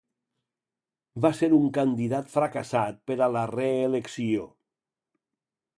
Va ser un candidat fracassat per a la reelecció.